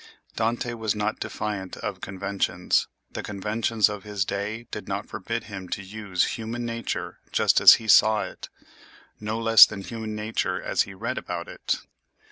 Dante was not defiant of conventions: the conventions of his day did not forbid him to use human nature just as he saw it, no less than human nature as he read about it.